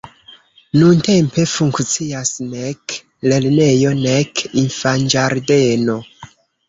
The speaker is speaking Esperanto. Nuntempe funkcias nek lernejo, nek infanĝardeno.